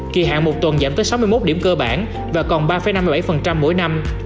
kỳ hạn một tuần giảm tới sáu mươi một điểm cơ bản và còn ba năm mươi bảy mỗi năm